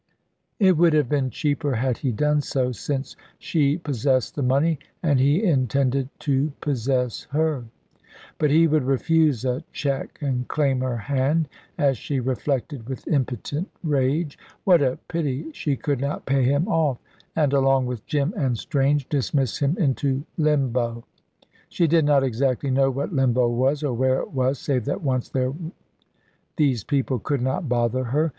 It would have been cheaper had he done so, since she possessed the money and he intended to possess her. But he would refuse a cheque and claim her hand, as she reflected with impotent rage. What a pity she could not pay him off, and, along with Jim and Strange, dismiss him into Limbo! She did not exactly know what Limbo was, or where it was, save that once there these people could not bother her.